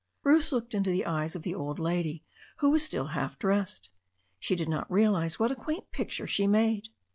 Bruce looked into the eyes of the old lady, who was still half dressed. She did not realize what a quaint picture she made.